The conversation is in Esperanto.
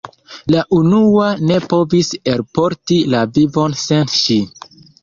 La unua ne povis elporti la vivon sen ŝi.